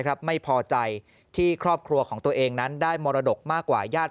ไม่พอใจที่ครอบครัวของตัวเองนั้นได้มรดกมากกว่าญาติ